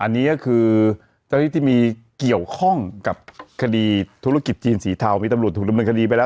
อันนี้ก็คือเจ้าที่ที่มีเกี่ยวข้องกับคดีธุรกิจจีนสีเทามีตำรวจถูกดำเนินคดีไปแล้ว